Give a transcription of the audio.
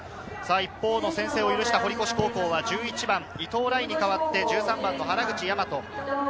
一方、先制を許した堀越高校は１１番・伊東來に代わって、１３番・原口和。